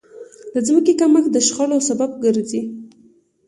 د ځمکې کمښت د شخړو سبب ګرځي.